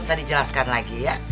tak di jelaskan lagi ya